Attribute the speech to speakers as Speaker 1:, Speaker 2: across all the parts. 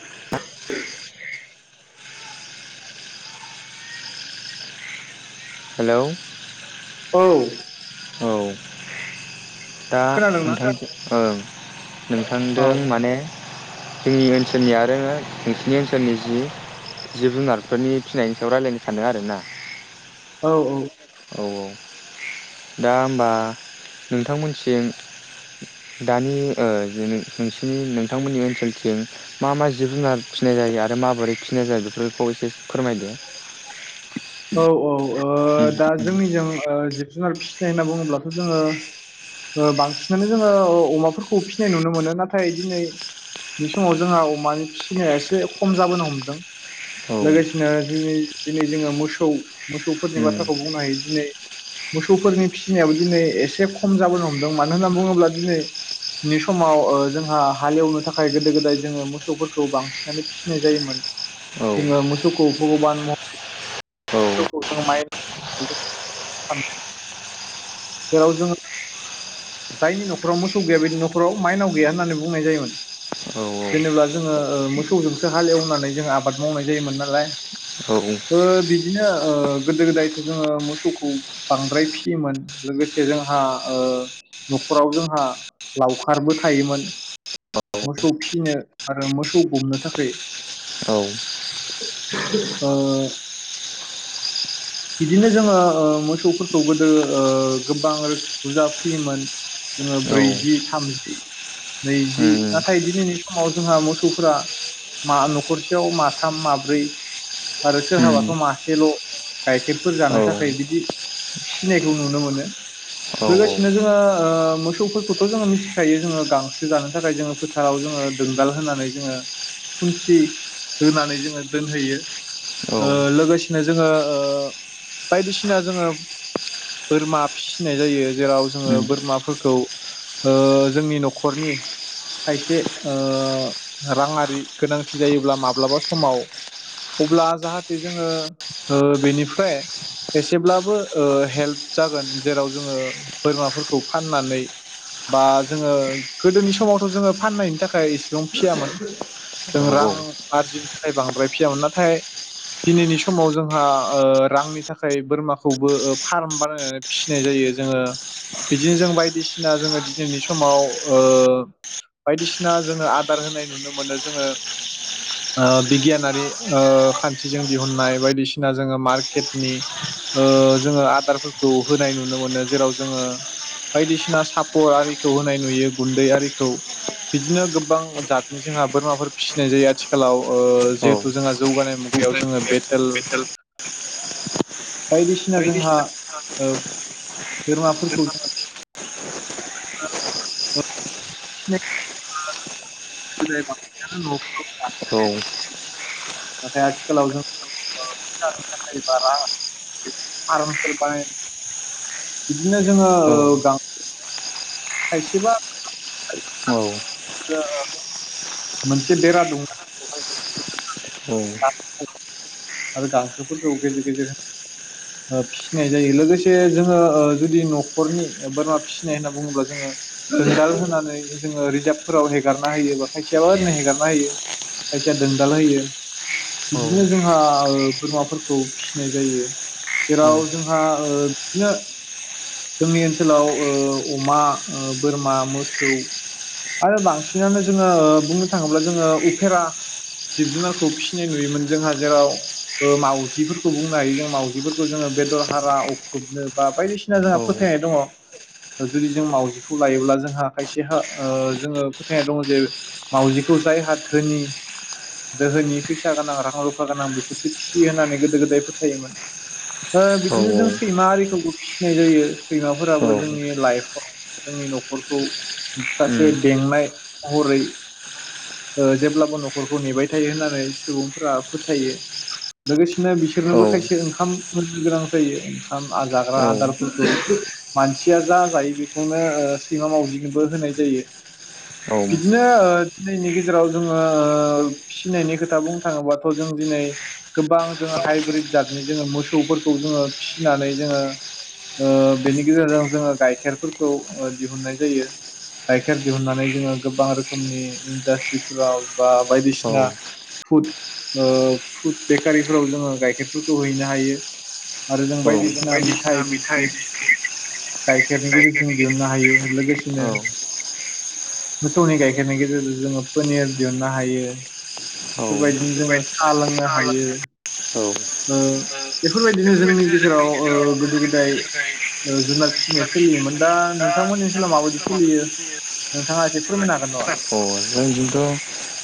Speaker 1: [inaudible]
Speaker 2: Hello.
Speaker 1: औ।
Speaker 2: औ दा
Speaker 1: खोनादोंना
Speaker 2: नोंथां ओं
Speaker 1: औ
Speaker 2: नोंथांदों माने। जोंनि ओनसोलनि आरो नोंसिनि ओनसोलनि जि-जिब जुनारफोरनि फिसिनायनि सायाव रायलायनो सानो आरो ना।
Speaker 1: औ औ
Speaker 2: औ औ दा ओमबा नोंथांमोनथिं दानि ओ जि नों नोंसिनि नोंथांमोननि ओनसोलथिं मा मा जिब-जुनार फिसिनाय जायो आरो माबोरै फिनाय जायो बेफोरखौ एसे फोरमायदो।
Speaker 1: औ औ ओ दा जोंनिजों ओ जिब-जुनार फिसिनाय होनना बुङोब्लाथ जोङो ओ बांसिनानो जोङो ओ अमाफोरखौ फिनाय नुनो मोनो। नाथाय दिनै नि समाव जोंहा अमानि फिसिनाया एसे खम जाबोनो हमदों
Speaker 2: औ
Speaker 1: लोगोसे दिनै दिनै जोङो मोसौ मोसौफोरनि
Speaker 2: उम
Speaker 1: बाथ्राखौ बुंनो हायो दिनै मोसौफोरनि फिसिनायाबो दिनै एसे खम जाबोनो हमदों मानो होनना बुंब्ला दिनैनि समाव हालेवनो थाखाय गोदो गोदाय जोङो मोसौफोरखौ बांसिनानो फिनाय जायोमोन
Speaker 2: औ
Speaker 1: जोङो मो [unintelligible] जाइनि
Speaker 2: औ
Speaker 1: नखराव मोसौ गैया बिनि नखराव मा इनाव गैया होन्नानै बुंनाय जाय़ोमोन जेनेब्ला जोंङो ओ मोसौजोंसो हालेवनानै जों आबाद मावनाइ जाय़ोमोन नालाइ। लाय
Speaker 2: औ
Speaker 1: ओ बि बिदिनो ओ गोदो गोदायथ' जोङो मोसौखौ बांद्राय फिसियोमोन लोगोसे जोंहा न'खराव जोंहा लावखारबो थायोमोन मोसौ फिसिनो आरो मोसौ गुमनो थाखाय
Speaker 2: औ
Speaker 1: ओ बिदिनो जोङो ओ मोसौफोरखौ गोदो गोबां रोख बुरजा फियोमोन जोङो
Speaker 2: औ
Speaker 1: ब्रैजि थामजि नैजि
Speaker 2: उम
Speaker 1: नाथाय दिनैनि समाव जोंहा मोसौफोरा मा नखरसेयाव माथाम माब्रै आरो
Speaker 2: उम
Speaker 1: सोरहाबाथ मासेल गाइखेरफोर
Speaker 2: औ
Speaker 1: जानो थाखाय बिदि फिनायखौ नुनो मोनो
Speaker 2: औ
Speaker 1: लोगोसेनो
Speaker 2: औ
Speaker 1: जोङो मोसौफोरखौथ जोङो मिथिखायो जोङो गांसो जानो थाखाय जोङो फोथाराव जोङो दोलदाल होनानै जोङो खुन्थि होनानै जोङो दोनहैयो ओ
Speaker 2: औ
Speaker 1: लोगोसेनो जोङो ओ बायदिसिना जोङो बोरमा फिसिनाय जायो जेराव जोङो
Speaker 2: जों
Speaker 1: बोरमाफोरखौ ओ जोंनि न'खरनि खायसे ओ राङारि गोनांथि जायोब्ला माब्लाबा समाव अब्ला जाहाथे जोङो ओ बेनिफ्राय एसेब्लाबो ओ हेल्प जागोन जेराव जोङो बोरमाफोरखौ फाननानै बा जोङो गोदोनि समावथ जोङो फाननायनि थाखाय एसेबां फियामोन जों रां आरजिनो थाखाय बांद्राय फियामोन ना थाय दिनैनि समाव जोंहा ओ रांनि थाखाय बोरमाखौबो ओ फार्म बानायनानै फिसिनाय जायो जोङो बिदिनो जों बायदिसिना जोङो दिनैनि समाव ओ बायदिसिना जोङो आदार होनाय नुनो मोनो जोङो ओ बिगियानारि ओ खान्थिजों दिहुननाय बायदिसिना जोङो मार्केटनि ओ जोङो आदारफोरखौ होनाय नुनो मोनो जेराव जोङो बायदिसिना सापर आरिखौ होनाय नुयो गुन्दै आरिखौ बिदिनो गोबां जातनि जोंहा बोरमाफोर फिसिनाय जायो आथिखालाव ओ जिहेतु जोंहा जौगानाय मुगायाव जोङो बेटेल बायदिसिना जोंहा ओ बोरमाफोरखौ जों [inaudible] नाथाय आथिखालाव जों ओ फैसानि थाखाय बा रां फार्मफोर बानायनाय बिदिनो जोङो ओ खायसेबा [unintelligible] मोनसे बेरा दं बेहाय [unintelligible] आरो गांखोफोरखौ गेजेर गेजेर ओ फिसिनाय जायो लोगोसे जोङो ओ जुदि न'खरनि बोरमा फिसिनाय होनना बुङोब्ला जोङो रिजाल होनानै जोङो रिजार्भफोराव हेगारना होयोबा खायसेयाबा ओरैनो हेगारना होयो खायसेया दोंदाल होयो बिदिनो जोंहा ओ बोरमाफोरखौ फिनाय जायो जेराव जोंहा ओ बिदिनो जोंनि ओनसोलाव ओ अमा ओ बोरमा मोसौ आरो बांसिनानो जों ओ बुंनो थाङोब्ला जोङो उफेरा जिब जुनारखौ फिसिनाय नुयोमोन जोंहा जेराव ओ मावजिफोरखौ बुंनाय जों मावजिफोरखौ जोङो बेदर हारा अख्रुबनो बा बायदिसिना जोंहा फोथायनाय दङ जुदि जों मावजिखौ लायोब्ला जोंहा खायसेहा ओ जोङो फोथायनाय दङ जे मावाउजिखौ जायहा धोनि दोहोनि फैसा गोनां रां रुफा गोनां बिसोरसो फिसियो होननानै गोदो गोदाय फोथायोमोन ओ बिदिनो जों सैमा आरिखौबो फिसिनाय जायो सैमाफोराबो जोंनि लाइफआव जोंनि नखरखौ सासे बेंनाय महरै ओ जेब्लाबो न'खरखौ नेबाय थायो होननानै सुबुंफोरा फोथायो लोगोसेनो बिसोरनोबो खायसे ओंखाम होनो गोनां जायो ओंखामा जाग्रा आदारफोरखौ मानसिया जा जायो बेखौनो ओ सैमा मावजिनोबो होनाय जायो। बिदिनो ओ दिनैनि गेजेराव जोङो ओ फिनायनि खोथा बुंनो थाङोबाथ जों दिनै गोबां जोङो हाइब्रिद जतनि जोङो मोसौफोरखौ जोङो फिसिनानै जोङो ओ बेनि गेजेरजों जोङो गाइखेरफोरखौ दिहुननाय जायो गाइखेर दिहुननानै जोङो गोबां रोख रोखोमनि इडासट्रिफोराव बा बायदिसिना फुड ओ फुड बेकारिफोराव जोङो गाइखेरफोरखौ हैनो हायो आरो जों बायदिसि ना मिथाइ बिस्कुट
Speaker 2: जोंथ'
Speaker 1: गाइखेरनि गेजेरजों दिहुननो हायो जों लोगोसेनो मोसौनि गाय खेरनि गेजेरजों जोङो पनिर दिहुननो हायो। बेफोरबायदिनो जोङो साहा लोंनो हायो ओ बेफोरबायदिनो जोंनि गेजेराव ओ गोदो गोदाय ओ जुनार फिसिनाया सोलियोमोन दा नोंथांमोननि सोलाव माबायदि सोलियो नोंथाङा एसे फोरमायनो हागोन न
Speaker 2: अ
Speaker 1: [unintelligible]
Speaker 2: जोंथिथ'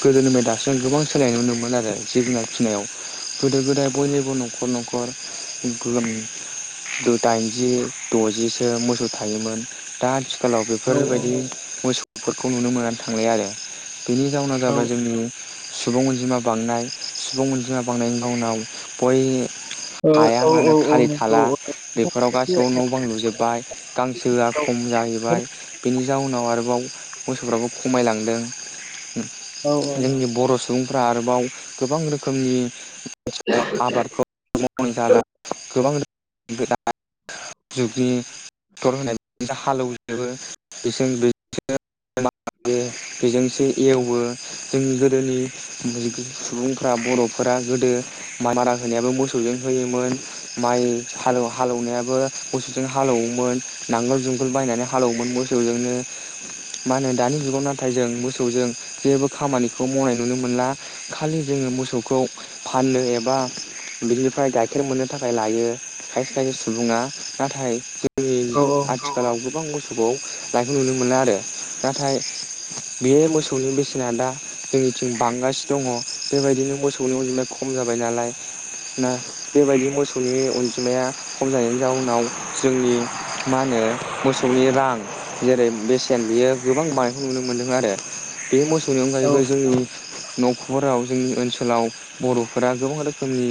Speaker 2: गोदोनिफाय दास गोबां सोलायनाय नुनोमोन आरो जिब जुनार फिसिनायाव गोदो गोदाय बयनिबो न'खर न'खर दाइनजि दजिसो मोसौ थायोमोन दा आथिखालाव
Speaker 1: औ
Speaker 2: बेफोरबायदि मोसौफोरखौ नुनो मोन थांनाय आरो बेनि जाउनाव
Speaker 1: औ
Speaker 2: जाबाय जोंनि सुबुं अनजिमा बांनाय सुबुं अनजिमा बांनायनिनाव बयह
Speaker 1: ओ
Speaker 2: हाया
Speaker 1: औ औ
Speaker 2: मानो
Speaker 1: औ
Speaker 2: थालि
Speaker 1: नंगौ
Speaker 2: थाला
Speaker 1: औ
Speaker 2: बेफोराव
Speaker 1: एसे
Speaker 2: गासिबो
Speaker 1: आंनियाव
Speaker 2: न' बां लुजोबबाय गांसोआ खम जाहैबाय बेनि जाउनाव आरोबाव मोसौफ्राबो खमायलांदों
Speaker 1: औ औ।
Speaker 2: जोंनि बर' सुबुंफ्रा आरोबाव गोबां रोखोमनि आबादखौ जाला गोबां रोख गोदा [unintelligible] जुगनि क्टर होनाय हालेवजोबो बे बेजोंसो एवो जों गोद गोदोनि सुबुंफ्रा बर'फोरा गोदो माइ मारा होनायाबो मोसौजों होयोमोन माइ हाल हालौनायाबो मोसौजों हालौवोमोन नांगोल जुंगोल बायनानै हालौवोमोन मोसौजोंनो मा होनो दानि जुगाव नाथाय जों मोसौजों जेबो खामानि खौ मावनाय नुनो मोनला। खालि जोंङो मोसौखौ फाननो एबा बिनिफ्राय गाइखेर मोननो थाखाय लायो खायसे खायसे सुबुङा नाथाय
Speaker 1: औ
Speaker 2: आथिखालाव गोबां बोव लानायखौ नुनो मोनला आरो नाथाय बियो मोसौ मोसौनि बेसेना दा जोंनिथिं बांगासिनो दङ बेबायदिनो मोसौनि अनजिमाया खम जाबाय नालाय ना बेबायदि मोसौनि अनजिमाया खम जानायनि जाउनाव जोंनि मा होनो मोसौनि रां जेरै बेसेन बियो गोबां बांनायखौ नुनो मोन्दों आरो। बे मोसौनि अनगायैबो जोंनि नखराव जोंनि ओनसोलाव बर'फोरा गोबां रोखोमनि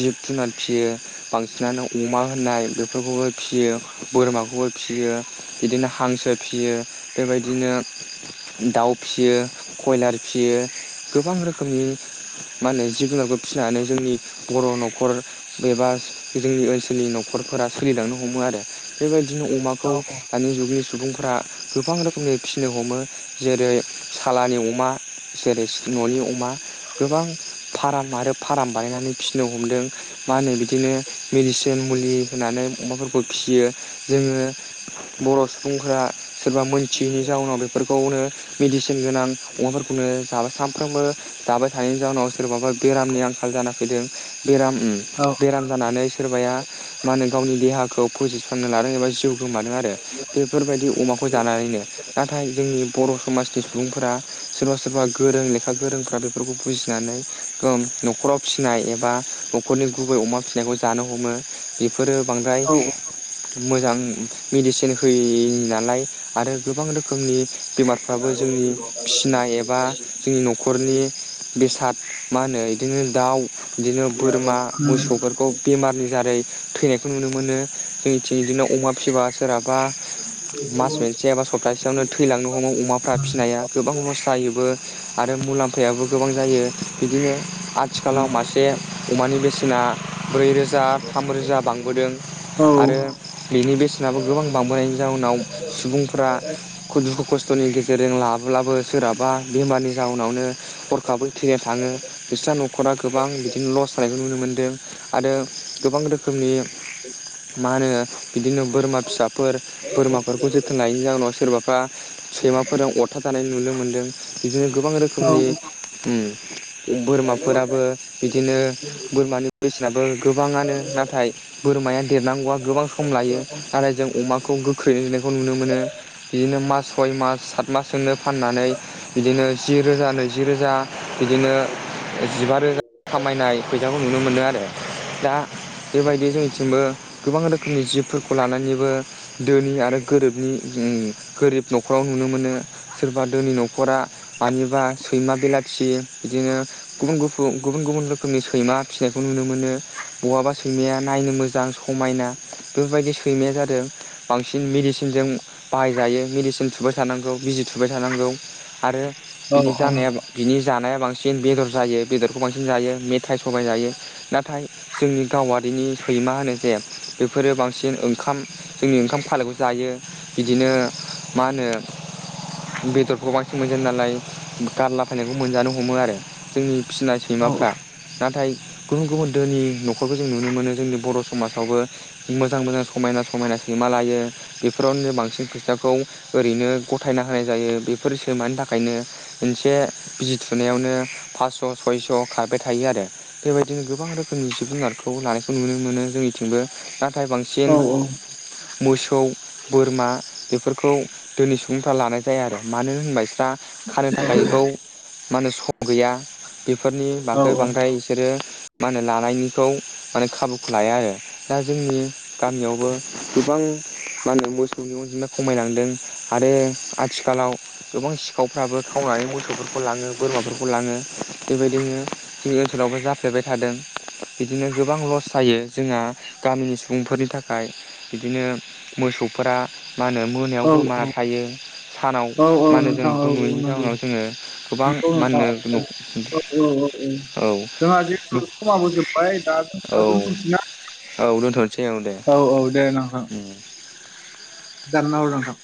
Speaker 2: जिब जुनार फियो बांसिनानो अमा होननाय बेफोरखौबो फियो बोरमाखौबो फियो इदिनो हांसो फियो बेबायदिनो दाउ फिसियो कयलार बियो गोबां रोखोमनि मा होनो जिब जुनारखौ फिसिनानै जोंनि बर' नखर एबा जोंनि ओनसोलनि नखरफोरा सा खुलिलांनो हमो आरो बेबायदि बिदिनो अमाखौ
Speaker 1: औ
Speaker 2: दानि जुगनि सुबुंफोरा गोबां रोखोमनि फिसिनो हमो जेरै सालानि अमा जेरै सि ननि अमा गोबां फार्म आरो फार्म बानायनानै फिसिनो हमदों मा होनो बिदिनो मेडिसिन मुलि होनानै अमाफोरखौ फिसियो जोंङो बर' सुबुंफोरा सोरबा मोनथियैनि जाउनाव बेफोरखौनो मेडिसिन गोनां अमाफो नो जाबाय सानफ्रोमबो जाबाय थानायनि जाउनाव सोरबाबा बेरामनि आंखाल जाना फैदों। बेराम उम
Speaker 1: औ
Speaker 2: बेराम जानानै सोरबाया मा होनो गावनि देहाखौ फोजोबस्रांनो लादों एबा जिउ गोमादों आरो बेफोरबायदि अमाखौ जानानैनो नाथाय जोंनि बर' समाजनि सुबुंफोरा सोरबा सोरबा गोरों लेखा गोरोंफ्रा बेफोरखौ बुजिनानै नखराव फिसिनाय एबा नखरनि गुबै अमा फिसिनायखौ जानो हमो बेफोर फोरो बांद्राय
Speaker 1: औ उम
Speaker 2: मोजां मेडिसिन होयि नालाय आरो गोबां रोखोमनि बेमारफ्राबो जोंनि फिसिनाय एबा जोंनि नखरनि बेसाद मा होनो बिदिनो दाव बिदिनो बोरमा मोसौफोरखौ बेमारनि जारै थैनायखौ नुनो मोनो। जोंनिथिं इदिनो अमा फिबा सोरहाबा मास मोनसे एबा सप्तासेयावनो थैलांनो हमो अमाफ्रा फिनाया। गोबां लस जायोबो आरो मुलाम्फायाबो गोबां जायो बिदिनो
Speaker 1: उम
Speaker 2: आथिखालाव मासे अमानि बेसेन सेना ब्रै रोजा थाम रोजा बांबोदों
Speaker 1: औ
Speaker 2: आरो बेनि बेसेनाबो गोबां बांबोनायनि जाउनाव सुबुंफ्रा खु दुखु खस्थ' थनि गेजेरजों लाफ अब्लाबो सोरहाबा बेमारनि जाउनावनो हरखाबै थैना थाङो बिस्रा नखरा गोबां बिदिनो लस जानाय नुनो मोनदों आरो गोबां रोखोमनि मा होनो बिदिनो बोरमा फिसाफोर बोरमाफोरखौ जोथोन लायैनि जाहोनाव सोरबा सैमाफोरजों अथ थार जानाय नुनो मोनदों बिदिनो गोबां
Speaker 1: औ
Speaker 2: रोखोमनि उम [inaudible] बोरमाफोराबो बिदिनो बोरमानि बेसेनाबो गोबाङानो नाथाय बोरमाया देरनांगौआ गोबां सम लायो नाथाय जों अमा खौ गोख्रैनो देरनायखौ नुनो मोनो बिदिनो मास सय मास साथ। मासजोनो फाननानै बिदिनो जि रोजा नैजि रोजा बिदिनो जिबा रोजा खामायनाय फै बेयावबो नुनो मोनो आरो दा बेबायदि जोंनिथिंबो गोबां रोखोमनि जिबफोरखौ लानानैबो धोनि आरो गोरोबनि ओ गोरिब नखराव नुनो मोनो। सोरबा धोनि न'खरा मानिबा सैमा बेलाथि बिदिनो गुबुन गुफु गुबुन गुबुन रोखोमनि सै सैमा फिसियो खौ नुनो मोनो बहाबा सैमाया नायनो मोजां समायना बेफोरबायदि सैमाया जादों बांसिन मेडिसिनजों बाहायजायो मेडिसिन थुबाय थानांगौ। बिजि थुबाय थानांगौ। आरो
Speaker 1: औ
Speaker 2: बिनि जानायाबा बिनि जानाया बांसिन बेदर जायो बेदरखौ बांसिन जायो मेथाइ सबाय जायो नाथाय जोंनि गावारिनि सैमा होनो जे बेफोरो बांसिन ओंखाम जोंनि ओंखाम खालायखौ जायो बिदिनो मा होनो बेदरखौ बांसिन मोनजायो नालाय गारलाब फनायखौ मोनजानो हमो आरो जोंनि फिसिनाय सैमाफ्रा नाथाय गुबुन गुबुन दोनि नखरखौ जों नुनो मोनो जोंनि बर समाजावबो मोजां मोजां समायना समायना सैमा लायो बेफोरावनो बांसिन फैसाखौ ओरैनो। गथायना होनाय जायो बेफोर सैमानि थाखायनो मोनसे बिजि थुनायावनो फास्स' सयस' खारबाय थायो आरो बेबायदिनो गोबां रोखोमनि जिब जुनारखौ लानायखौ नुनो मोनो जोंनिथिंबो नाथाय बांसिन मोसौ बोरमा बेफोर। खौ दिनै स लानाय जाया आरो मानो होनबा बिस्रा खानो थाखाय बेखौ मा होनो सम गैया बेफोरनि बागो बांद्राय बिसोरो मा होनो लानायनिखौ माने खाबुखौ लाया आरो दा जोंनि गामियावबो गोबां मा होनो मोसौनि अनजिमा खमायलांदों। आरो आथिखालाव गोबां सिखावफ्राबो खावनानै मोसौफोरखौ खौ लाङो बोरमाफोरखौ लाङो बेबायदिनो जोंनि ओनसोलावबो जाफ्लेबाय थादों बिदिनो गोबां लस जायो जोंहा गामिनि सुबुंफोरनि थाखाय बिदिनो मोसौफोरा मा होनो मोनायाव
Speaker 1: औ
Speaker 2: गोमा। सानाव
Speaker 1: औ औ
Speaker 2: मा होनो जों
Speaker 1: नोंथां औ
Speaker 2: बेखौ
Speaker 1: औ
Speaker 2: नुयैनि
Speaker 1: नंगौ
Speaker 2: जाहोनाव जोङो गोबां
Speaker 1: नंगौ
Speaker 2: मा
Speaker 1: नोंथां
Speaker 2: होनो
Speaker 1: औ औ औ औ जोंहा जेथु समाबो जोबबाय दा
Speaker 2: औ
Speaker 1: दोनथसैना
Speaker 2: औ दोनथ'नोसै दे
Speaker 1: औ औ दे नोंथां
Speaker 2: उम
Speaker 1: दानना हर नोंथां